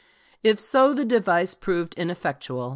If so, the device proved ineffectual.